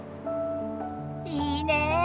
いいねぇ。